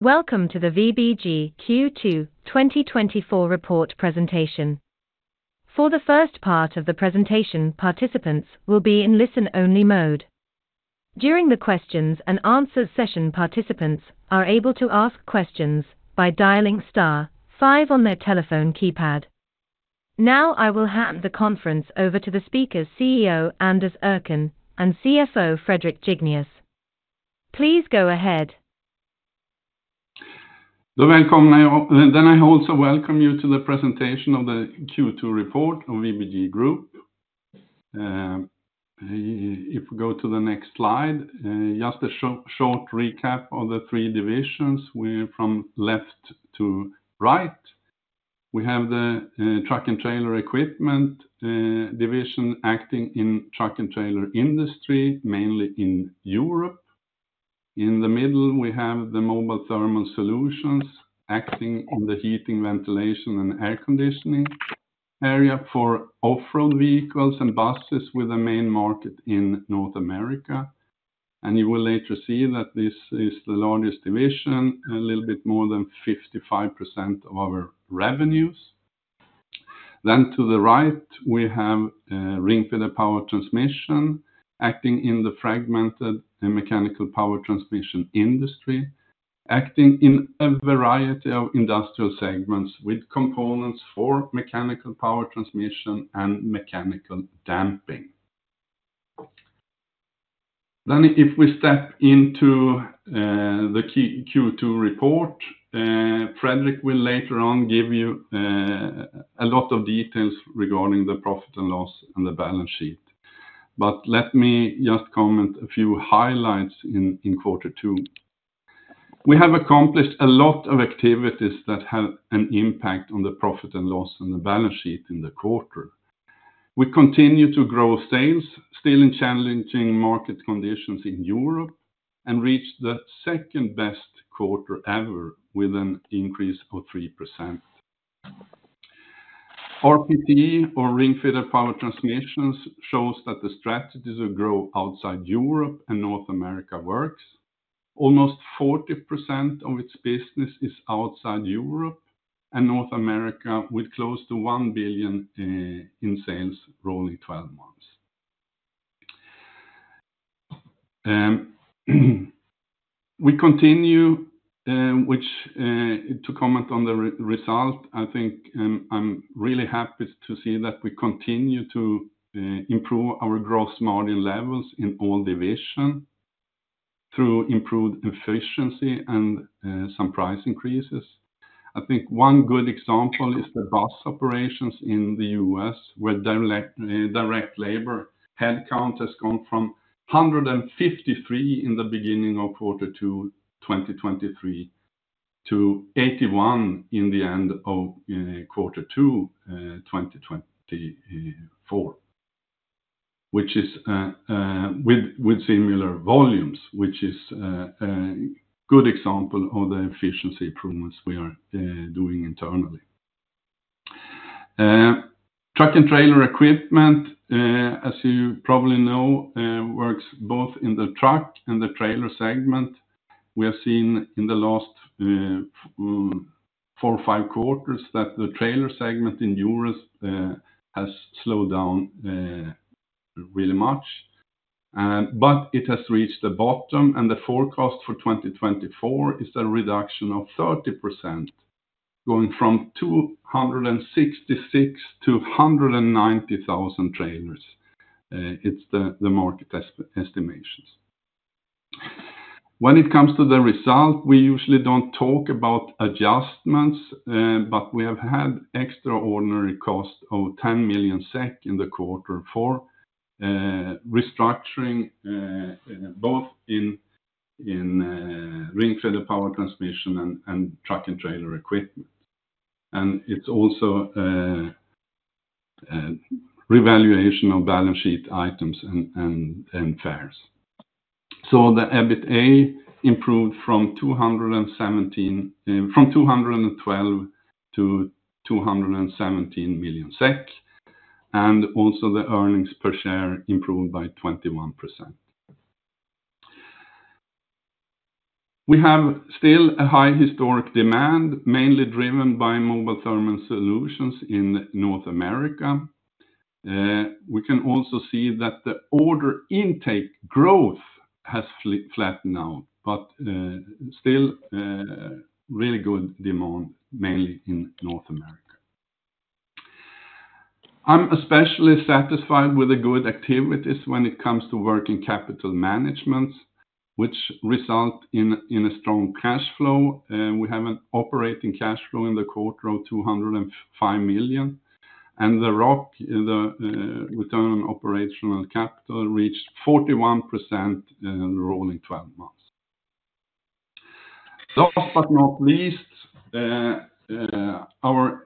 Welcome to the VBG Q2 2024 report presentation. For the first part of the presentation, participants will be in listen-only mode. During the Q&A session, participants are able to ask questions by dialing *5 on their telephone keypad. Now I will hand the conference over to the speakers, CEO Anders Erkén and CFO Fredrik Jignéus. Please go ahead. Välkomna. Then I also welcome you to the presentation of the Q2 report of VBG Group. If we go to the next slide, just a short recap of the three divisions, from left to right. We have the Truck and Trailer Equipment division acting in the truck and trailer industry, mainly in Europe. In the middle, we have the Mobile Thermal Solutions acting in the heating, ventilation, and air conditioning area for off-road vehicles and buses, with a main market in North America. And you will later see that this is the largest division, a little bit more than 55% of our revenues. Then to the right, we have Ringfeder Power Transmission acting in the fragmented mechanical power transmission industry, acting in a variety of industrial segments with components for mechanical power transmission and mechanical damping. If we step into the Q2 report, Fredrik will later on give you a lot of details regarding the profit and loss and the balance sheet. But let me just comment on a few highlights in Q2. We have accomplished a lot of activities that have an impact on the profit and loss and the balance sheet in the quarter. We continue to grow sales, still in challenging market conditions in Europe, and reached the second-best quarter ever, with an increase of 3%. RPT, or Ringfeder Power Transmission, shows that the strategy to grow outside Europe and North America works. Almost 40% of its business is outside Europe and North America, with close to 1 billion in sales rolling 12 months. We continue, which to comment on the result, I think I'm really happy to see that we continue to improve our gross margin levels in all divisions through improved efficiency and some price increases. I think one good example is the bus operations in the U.S., where direct labor headcount has gone from 153 in the beginning of Q2 2023 to 81 in the end of Q2 2024, which is with similar volumes, which is a good example of the efficiency improvements we are doing internally. Truck and Trailer Equipment, as you probably know, works both in the truck and the trailer segment. We have seen in the last four or five quarters that the trailer segment in Europe has slowed down really much, but it has reached the bottom, and the forecast for 2024 is a reduction of 30%, going from 266,000-190,000 trailers. It's the market estimations. When it comes to the result, we usually don't talk about adjustments, but we have had extraordinary costs of 10 million SEK in Q4 for restructuring, both in Ringfeder Power Transmission and Truck and Trailer Equipment. It's also revaluation of balance sheet items and fair values. The EBITA improved from 212 million to 217 million SEK, and also the earnings per share improved by 21%. We have still a high historic demand, mainly driven by Mobile Thermal Solutions in North America. We can also see that the order intake growth has flattened out, but still really good demand, mainly in North America. I'm especially satisfied with the good activities when it comes to working capital management, which result in a strong cash flow. We have an operating cash flow in Q2 of 205 million, and the return on operating capital reached 41% rolling 12 months. Last but not least, our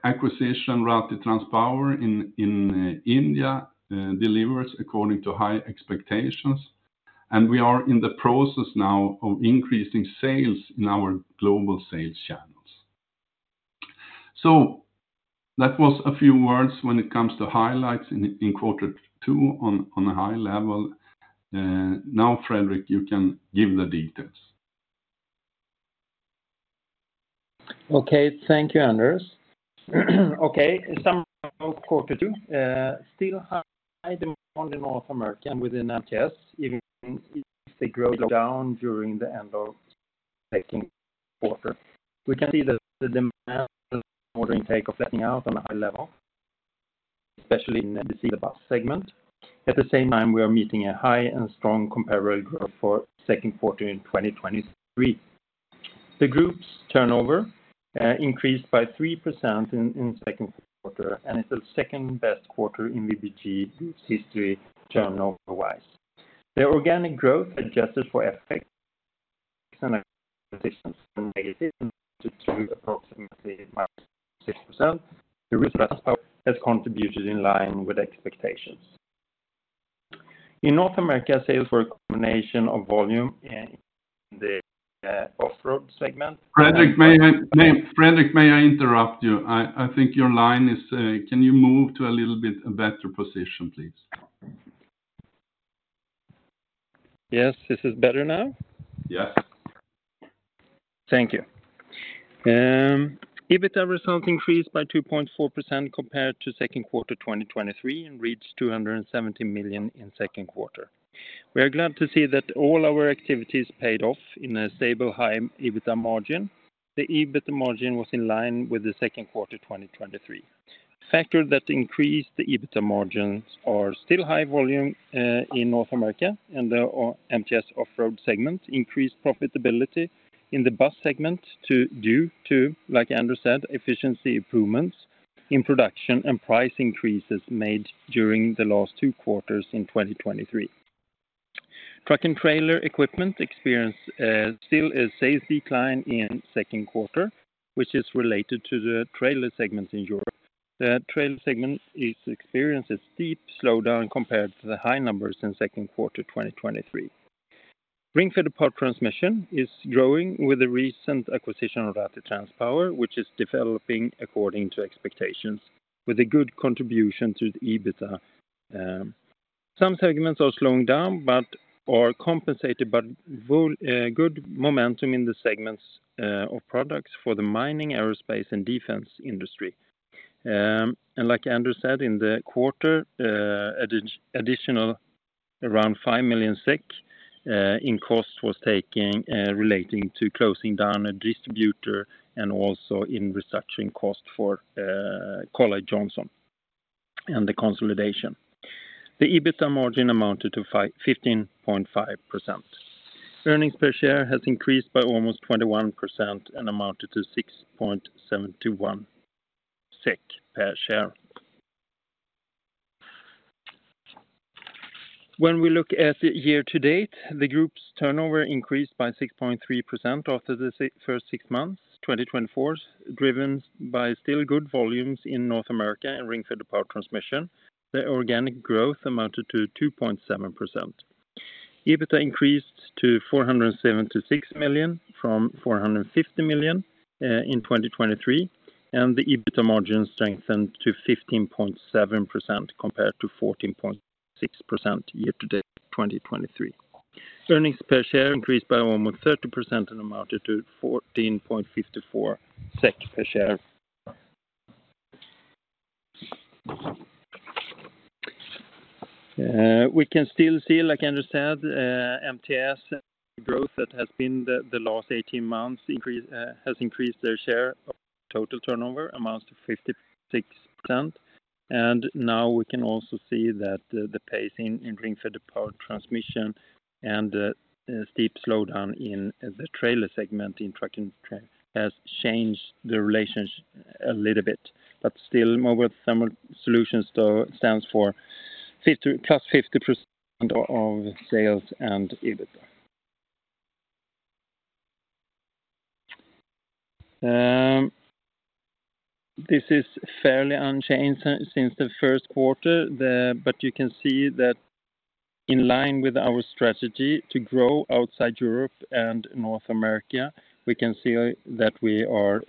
acquisition, Rathi Transpower in India, delivers according to high expectations, and we are in the process now of increasing sales in our global sales channels. So that was a few words when it comes to highlights in Q2 on a high level. Now, Fredrik, you can give the details. Okay, thank you, Anders. Okay, summary of Q2: still high demand in North America and within MTS, even if they grow down during the end of Q2. We can see that the demand and order intake are flattening out on a high level, especially in the bus segment. At the same time, we are meeting a high and strong comparable growth for Q2 in 2023. The group's turnover increased by 3% in Q2, and it's the second-best quarter in VBG Group's history turnover-wise. Their organic growth adjusted for FX and acquisitions negative to approximately -6%. The rest has contributed in line with expectations. In North America, sales were a combination of volume in the off-road segment. Fredrik, may I interrupt you? I think your line is. Can you move to a little bit better position, please? Yes, this is better now? Yes. Thank you. EBITA result increased by 2.4% compared to Q2 2023 and reached 270 million in Q2. We are glad to see that all our activities paid off in a stable, high EBITA margin. The EBITA margin was in line with Q2 2023. Factors that increased the EBITA margins are still high volume in North America and the MTS off-road segment, increased profitability in the bus segment due to, like Anders said, efficiency improvements in production and price increases made during the last two quarters in 2023. Truck and Trailer Equipment experienced still a sales decline in Q2, which is related to the trailer segment in Europe. The trailer segment experienced a steep slowdown compared to the high numbers in Q2 2023. Ringfeder Power Transmission is growing with a recent acquisition of Rathi Transpower, which is developing according to expectations, with a good contribution to the EBITA. Some segments are slowing down but are compensated by good momentum in the segments of products for the mining, aerospace, and defense industry. Like Anders said, in the quarter, additional around 5 million SEK in cost was taken relating to closing down a distributor and also in restructuring cost for Carlyle Johnson and the consolidation. The EBITA margin amounted to 15.5%. Earnings per share has increased by almost 21% and amounted to 6.71 SEK per share. When we look at the year to date, the group's turnover increased by 6.3% after the first six months of 2024, driven by still good volumes in North America and Ringfeder Power Transmission. The organic growth amounted to 2.7%. EBITA increased to 476 million from 450 million in 2023, and the EBITA margin strengthened to 15.7% compared to 14.6% year to date in 2023. Earnings per share increased by almost 30% and amounted to 14.54 SEK per share. We can still see, like Anders said, MTS growth that has been the last 18 months has increased their share of total turnover amounts to 56%. And now we can also see that the pace in Ringfeder Power Transmission and the steep slowdown in the trailer segment in truck and trailer has changed the relation a little bit, but still mobile thermal solutions stands for plus 50% of sales and EBITA. This is fairly unchanged since the Q1, but you can see that in line with our strategy to grow outside Europe and North America, we can see that we are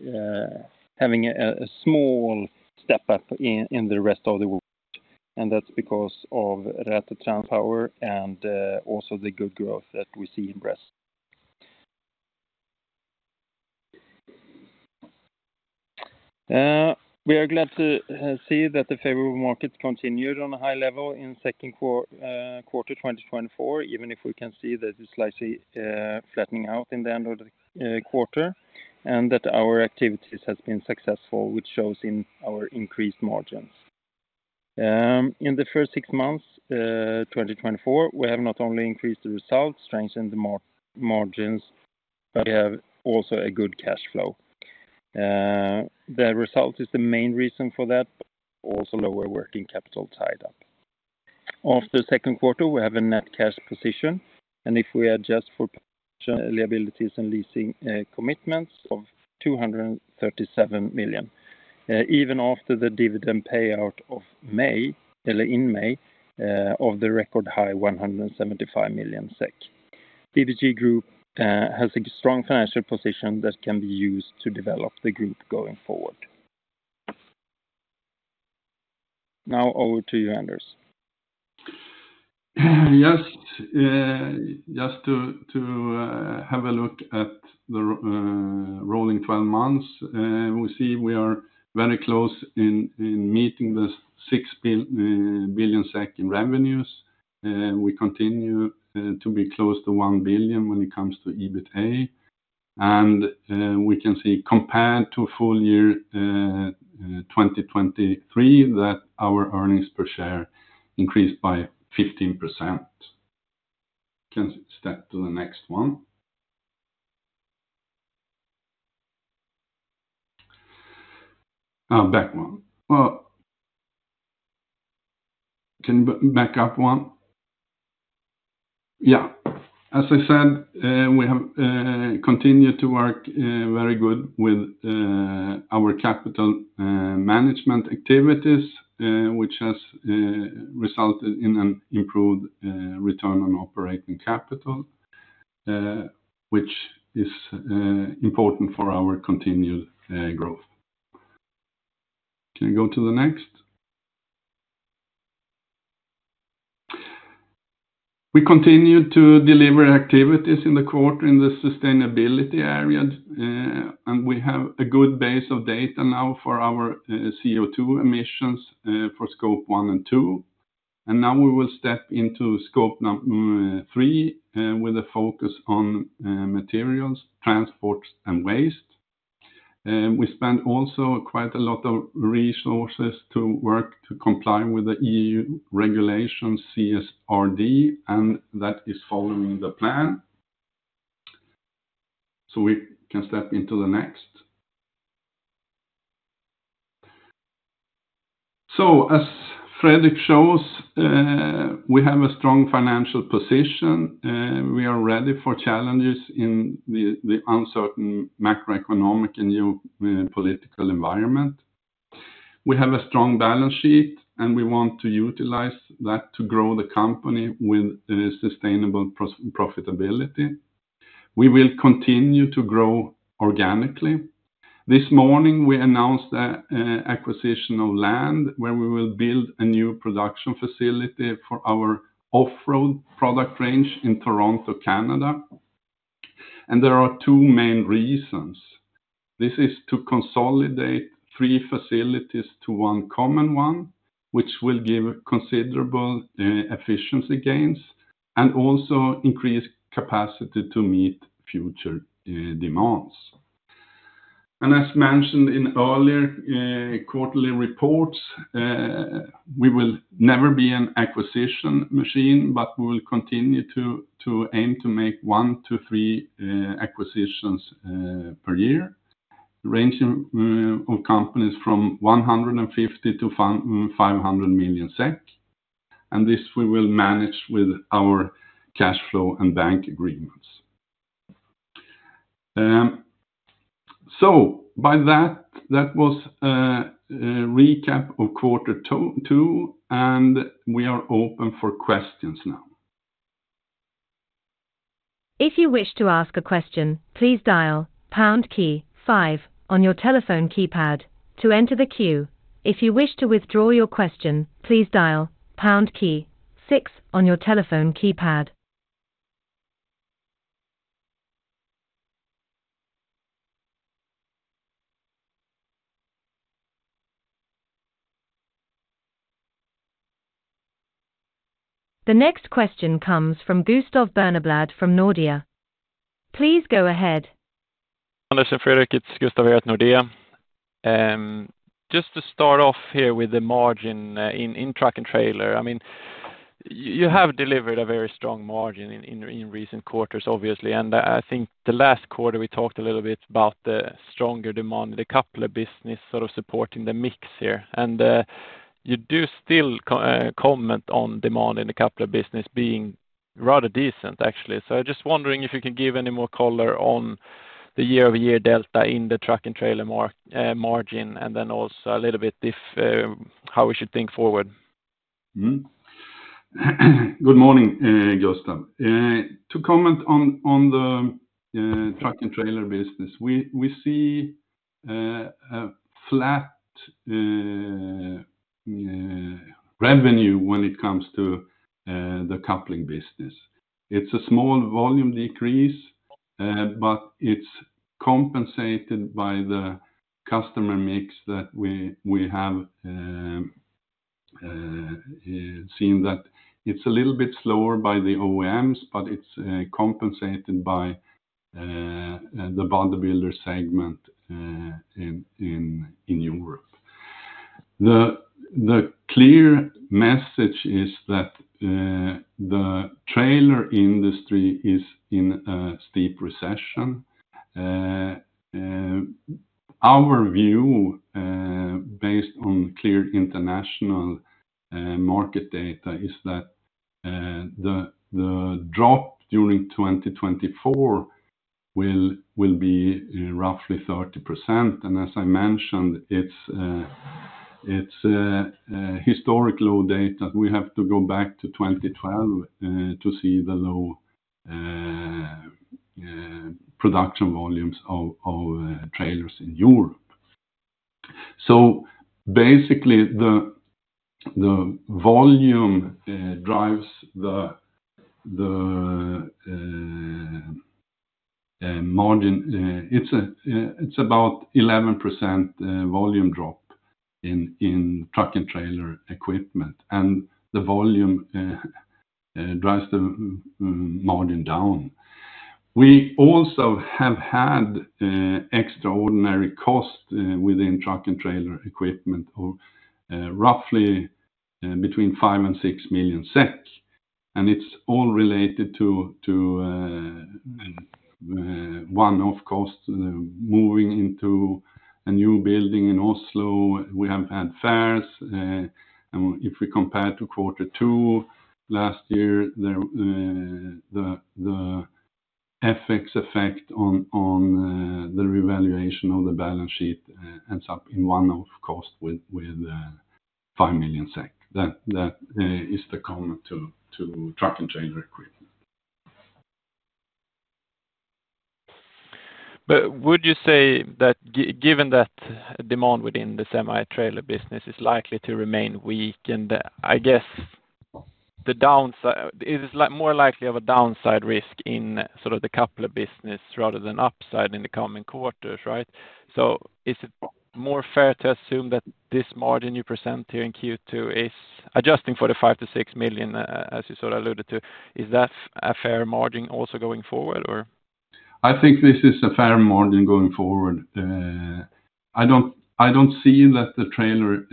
having a small step up in the rest of the world, and that's because of Rathi Transpower and also the good growth that we see in Brazil. We are glad to see that the favorable markets continued on a high level in Q2 2024, even if we can see that it's slightly flattening out in the end of the quarter and that our activities have been successful, which shows in our increased margins. In the first six months of 2024, we have not only increased the results, strengthened the margins, but we have also a good cash flow. The result is the main reason for that, also lower working capital tied up. After Q2, we have a net cash position, and if we adjust for liabilities and leasing commitments of 237 million, even after the dividend payout of May, in May, of the record high 175 million SEK. VBG Group has a strong financial position that can be used to develop the group going forward. Now over to you, Anders. Yes, just to have a look at the rolling 12 months, we see we are very close in meeting the 6 billion SEK in revenues. We continue to be close to 1 billion when it comes to EBITA, and we can see compared to full year 2023 that our earnings per share increased by 15%. Can step to the next one. Oh, back one. Well, can you back up one? Yeah, as I said, we have continued to work very good with our capital management activities, which has resulted in an improved return on operating capital, which is important for our continued growth. Can you go to the next? We continue to deliver activities in the quarter in the sustainability area, and we have a good base of data now for our CO2 emissions for Scope 1 and 2. Now we will step into Scope 3 with a focus on materials, transport, and waste. We spend also quite a lot of resources to work to comply with the EU regulations, CSRD, and that is following the plan. We can step into the next. As Fredrik shows, we have a strong financial position. We are ready for challenges in the uncertain macroeconomic and geopolitical environment. We have a strong balance sheet, and we want to utilize that to grow the company with sustainable profitability. We will continue to grow organically. This morning, we announced the acquisition of land where we will build a new production facility for our off-road product range in Toronto, Canada. There are 2 main reasons. This is to consolidate 3 facilities to 1 common one, which will give considerable efficiency gains and also increase capacity to meet future demands. As mentioned in earlier quarterly reports, we will never be an acquisition machine, but we will continue to aim to make one to three acquisitions per year, ranging companies from 150 million-500 million SEK. This we will manage with our cash flow and bank agreements. By that, that was a recap of Q2, and we are open for questions now. If you wish to ask a question, please dial pound key five on your telephone keypad to enter the queue. If you wish to withdraw your question, please dial pound key six on your telephone keypad. The next question comes from Gustav Berneblad from Nordea. Please go ahead. Anders and Fredrik, it's Gustav here at Nordea. Just to start off here with the margin in truck and trailer, I mean, you have delivered a very strong margin in recent quarters, obviously. I think the last quarter we talked a little bit about the stronger demand in the coupler business sort of supporting the mix here. You do still comment on demand in the coupler business being rather decent, actually. I'm just wondering if you can give any more color on the year-over-year delta in the truck and trailer margin and then also a little bit how we should think forward. Good morning, Gustav. To comment on the truck and trailer business, we see a flat revenue when it comes to the coupling business. It's a small volume decrease, but it's compensated by the customer mix that we have seen that it's a little bit slower by the OEMs, but it's compensated by the bodybuilder segment in Europe. The clear message is that the trailer industry is in a steep recession. Our view, based on clear international market data, is that the drop during 2024 will be roughly 30%. As I mentioned, it's historic low data. We have to go back to 2012 to see the low production volumes of trailers in Europe. Basically, the volume drives the margin. It's about 11% volume drop in Truck and Trailer Equipment, and the volume drives the margin down. We also have had extraordinary costs within Truck and Trailer Equipment of roughly 5-6 million SEK, and it's all related to one-off costs moving into a new building in Oslo. We have had FX, and if we compare to Q2 last year, the FX effect on the revaluation of the balance sheet ends up in one-off cost with 5 million SEK. That is the comment to Truck and Trailer Equipment. But would you say that given that demand within the semi-trailer business is likely to remain weak, and I guess it is more likely of a downside risk in sort of the coupler business rather than upside in the coming quarters, right? So is it more fair to assume that this margin you present here in Q2 is adjusting for the 5 million-6 million, as you sort of alluded to? Is that a fair margin also going forward, or? I think this is a fair margin going forward. I don't see that the trailer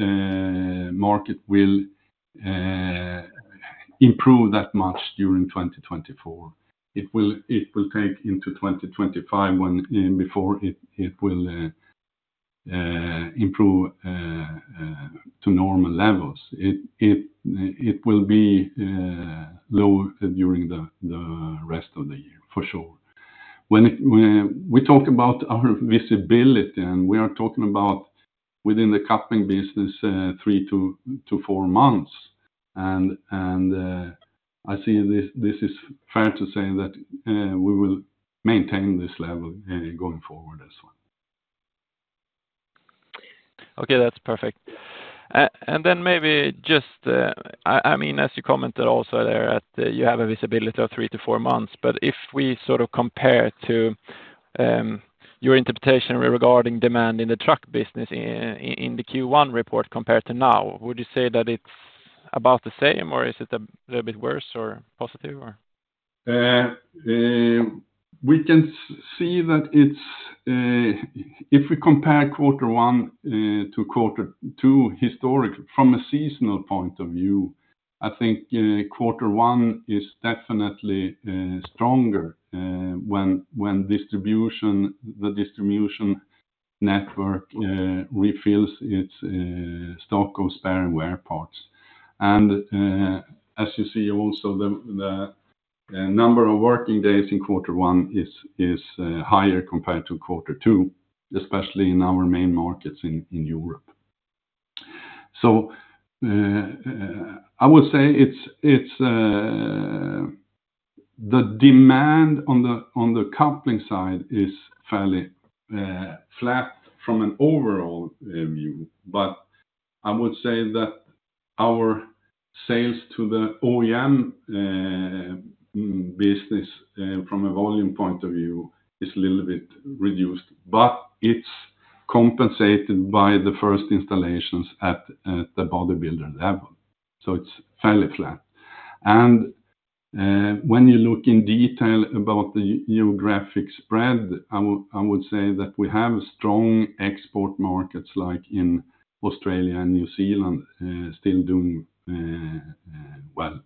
market will improve that much during 2024. It will take into 2025 before it will improve to normal levels. It will be low during the rest of the year, for sure. When we talk about our visibility, and we are talking about within the coupling business three to four months, and I see this is fair to say that we will maintain this level going forward as well. Okay, that's perfect. And then maybe just, I mean, as you commented also there that you have a visibility of 3-4 months, but if we sort of compare to your interpretation regarding demand in the truck business in the Q1 report compared to now, would you say that it's about the same, or is it a little bit worse or positive, or? We can see that if we compare Q1 to Q2 historically from a seasonal point of view, I think Q1 is definitely stronger when the distribution network refills its stock of spare and wear parts. And as you see also, the number of working days in Q1 is higher compared to Q2, especially in our main markets in Europe. So I would say the demand on the coupling side is fairly flat from an overall view, but I would say that our sales to the OEM business from a volume point of view is a little bit reduced, but it's compensated by the first installations at the bodybuilder level. So it's fairly flat. And when you look in detail about the geographic spread, I would say that we have strong export markets like in Australia and New Zealand still doing well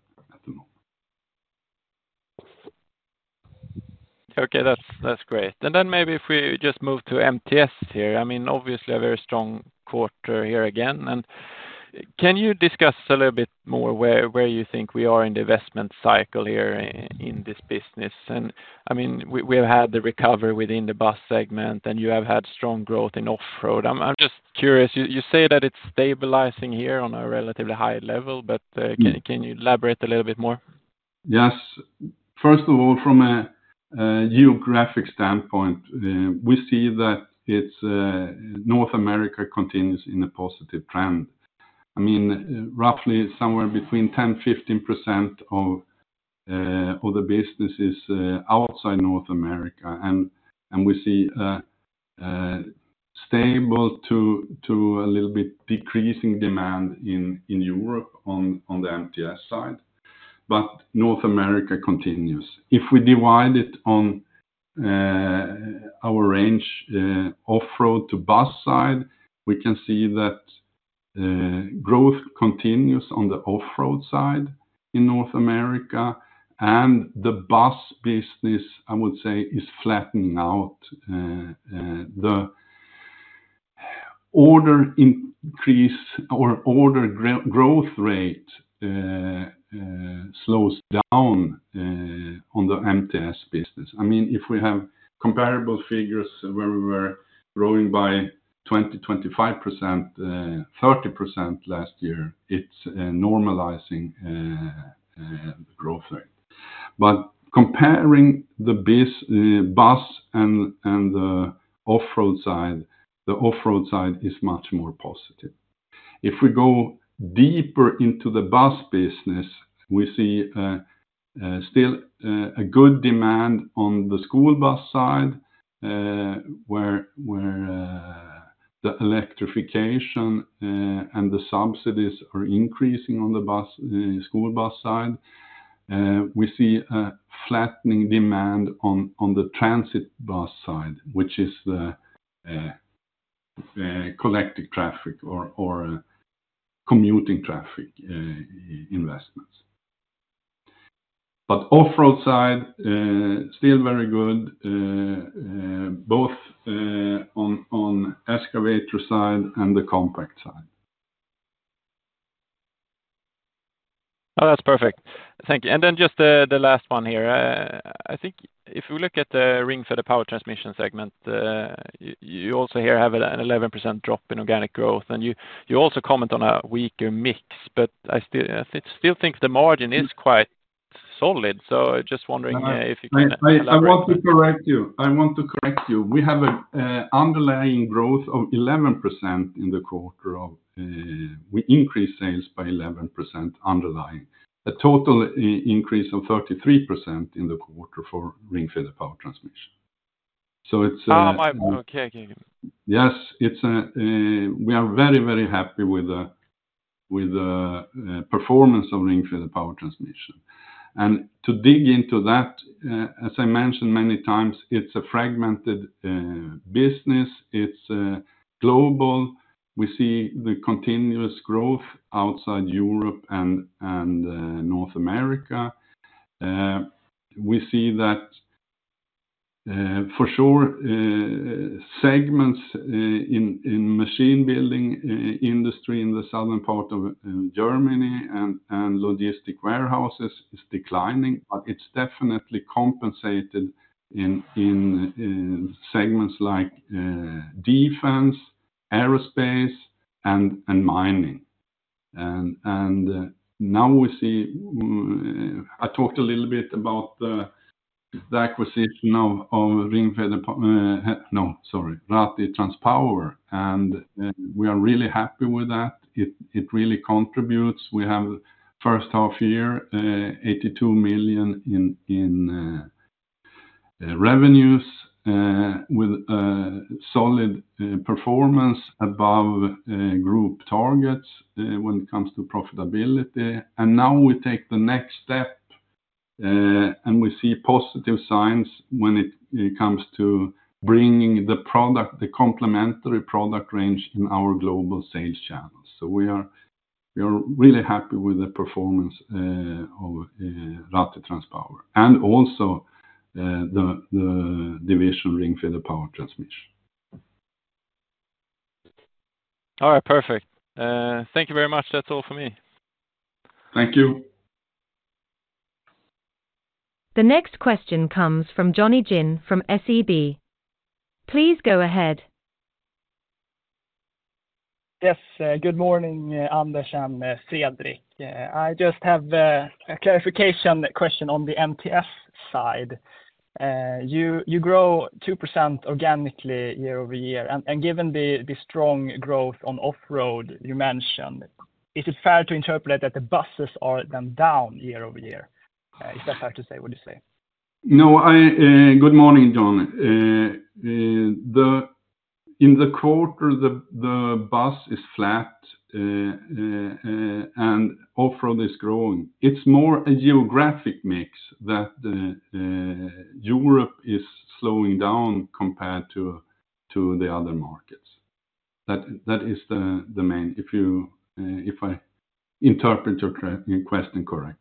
at the moment. Okay, that's great. And then maybe if we just move to MTS here, I mean, obviously a very strong quarter here again. And can you discuss a little bit more where you think we are in the investment cycle here in this business? And I mean, we have had the recovery within the bus segment, and you have had strong growth in off-road. I'm just curious, you say that it's stabilizing here on a relatively high level, but can you elaborate a little bit more? Yes. First of all, from a geographic standpoint, we see that North America continues in a positive trend. I mean, roughly somewhere between 10%-15% of the business is outside North America, and we see stable to a little bit decreasing demand in Europe on the MTS side, but North America continues. If we divide it on our range off-road to bus side, we can see that growth continues on the off-road side in North America, and the bus business, I would say, is flattening out. The order increase or order growth rate slows down on the MTS business. I mean, if we have comparable figures where we were growing by 20%, 25%, 30% last year, it's normalizing the growth rate. But comparing the bus and the off-road side, the off-road side is much more positive. If we go deeper into the bus business, we see still a good demand on the school bus side where the electrification and the subsidies are increasing on the school bus side. We see a flattening demand on the transit bus side, which is the collective traffic or commuting traffic investments. But off-road side, still very good, both on the excavator side and the compact side. Oh, that's perfect. Thank you. And then just the last one here. I think if we look at the Ringfeder Power Transmission segment, you also here have an 11% drop in organic growth, and you also comment on a weaker mix, but I still think the margin is quite solid. So just wondering if you can. I want to correct you. I want to correct you. We have an underlying growth of 11% in the quarter. We increased sales by 11% underlying, a total increase of 33% in the quarter for Ringfeder Power Transmission. So it's. Oh, okay. Yes, we are very, very happy with the performance of Ringfeder Power Transmission. And to dig into that, as I mentioned many times, it's a fragmented business. It's global. We see the continuous growth outside Europe and North America. We see that for sure segments in the machine building industry in the southern part of Germany and logistic warehouses is declining, but it's definitely compensated in segments like defense, aerospace, and mining. And now we see I talked a little bit about the acquisition of Ringfeder—no, sorry, Rathi Transpower—and we are really happy with that. It really contributes. We have first half year, 82 million in revenues with solid performance above group targets when it comes to profitability. And now we take the next step, and we see positive signs when it comes to bringing the complementary product range in our global sales channels. We are really happy with the performance of Rathi TransPower and also the division Ringfeder Power Transmission. All right, perfect. Thank you very much. That's all for me. Thank you. The next question comes from Jonny Jin from SEB. Please go ahead. Yes, good morning, Anders and Fredrik. I just have a clarification question on the MTS side. You grow 2% organically year-over-year, and given the strong growth on off-road you mentioned, is it fair to interpret that the buses are then down year-over-year? Is that fair to say? What do you say? No, good morning, Jon. In the quarter, the bus is flat, and off-road is growing. It's more a geographic mix that Europe is slowing down compared to the other markets. That is the main, if I interpret your question correctly.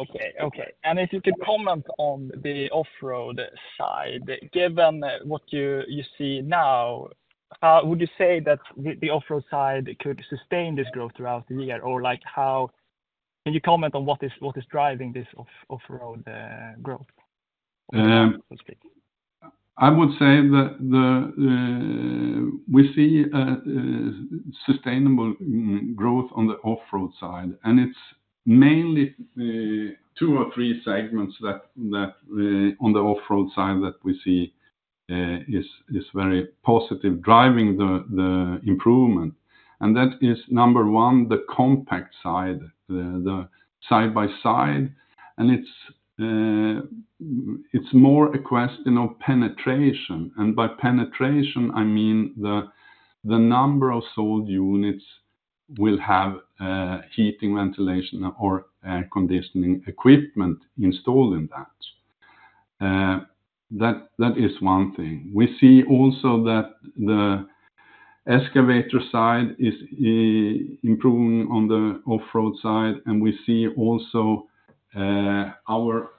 Okay, okay. And if you could comment on the off-road side, given what you see now, how would you say that the off-road side could sustain this growth throughout the year? Or can you comment on what is driving this off-road growth? I would say that we see sustainable growth on the off-road side, and it's mainly two or three segments on the off-road side that we see is very positive driving the improvement. And that is number one, the compact side, the side by side, and it's more a question of penetration. And by penetration, I mean the number of sold units will have heating, ventilation, or air conditioning equipment installed in that. That is one thing. We see also that the excavator side is improving on the off-road side, and we see also our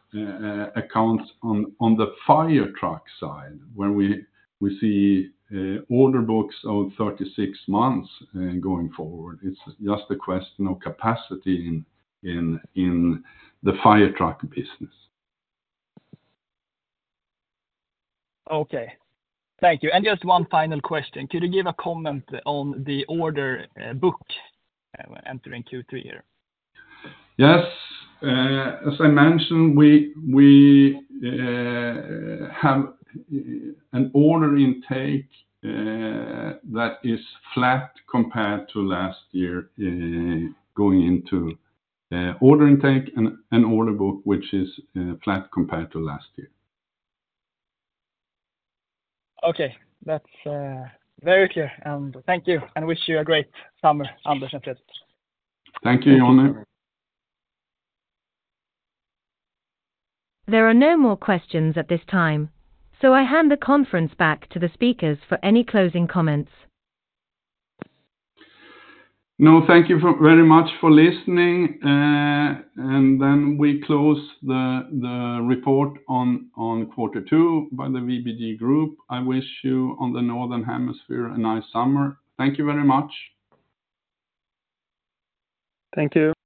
accounts on the fire truck side where we see order books of 36 months going forward. It's just a question of capacity in the fire truck business. Okay, thank you. Just one final question. Could you give a comment on the order book entering Q3 here? Yes. As I mentioned, we have an order intake that is flat compared to last year going into order intake and order book, which is flat compared to last year. Okay, that's very clear. Thank you and wish you a great summer, Anders Erkén and Fredrik Jignéus. Thank you, Jon. There are no more questions at this time, so I hand the conference back to the speakers for any closing comments. No, thank you very much for listening, and then we close the report on Q2 by the VBG Group. I wish you on the northern hemisphere a nice summer. Thank you very much. Thank you.